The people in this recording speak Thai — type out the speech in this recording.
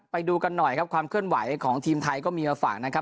ไปดูกันหน่อยครับความเคลื่อนไหวของทีมไทยก็มีมาฝากนะครับ